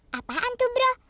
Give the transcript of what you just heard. hah apaan tuh bro